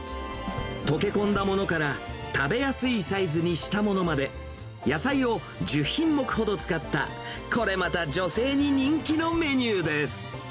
溶け込んだものから食べやすいサイズにしたものまで、野菜を１０品目ほど使ったこれまた女性に人気のメニューです。